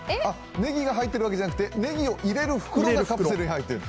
ねぎが入っているわけじゃなくて、ねぎを入れる袋が入っている。